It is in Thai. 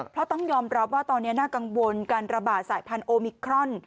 เพราะต้องยอมรับว่าตอนนี้น่ากังวลการระบาดสายพันธุมิครอน